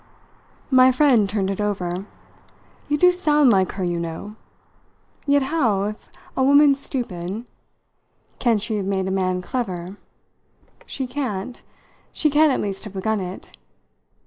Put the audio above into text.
My friend turned it over. "You do sound like her, you know. Yet how, if a woman's stupid " "Can she have made a man clever? She can't. She can't at least have begun it.